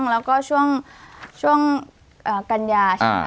แล้วก็ช่วงกัญญา